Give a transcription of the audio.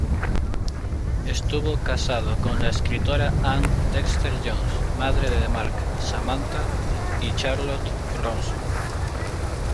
Estuvo casado con la escritora Ann Dexter-Jones, madre de Mark, Samantha y Charlotte Ronson.